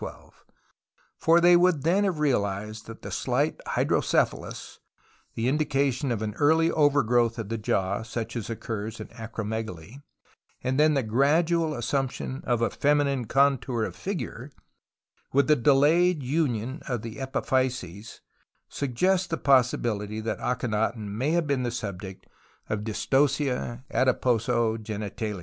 For they would then have realized that the slight hydrocephalus, the indication of an early overgrowth of the jaw such as occurs in acromegaly, and then the gradual assumption of a feminine contour of figure, with a delayed union of the epiphyses, suggest the possibility tliat Akhenaton may have been tlie subject of Dystocia adiposo o;enitalis.